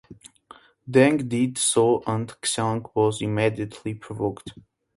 Deng did so and Xiang was immediately provoked.